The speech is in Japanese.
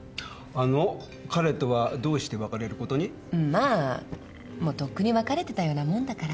まあもうとっくに別れてたようなもんだから。